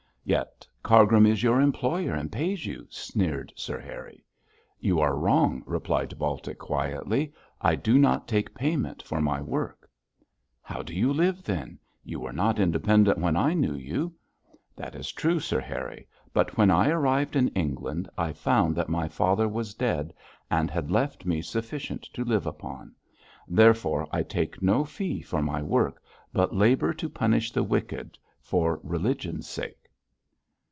'Yet Cargrim is your employer, and pays you,' sneered Sir Harry. 'You are wrong,' replied Baltic, quietly. 'I do not take payment for my work.' 'How do you live then? You were not independent when I knew you.' 'That is true, Sir Harry, but when I arrived in England I found that my father was dead, and had left me sufficient to live upon. Therefore I take no fee for my work, but labour to punish the wicked, for religion's sake.'